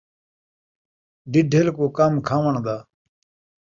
ڈھڈھل کوں کم کھاوݨ دا